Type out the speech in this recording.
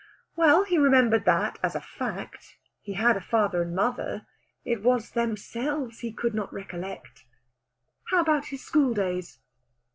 Well, he remembered that, as a fact, he had a father and mother. It was themselves he could not recollect. How about his schooldays?